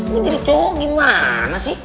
lu jadi cowok gimana sih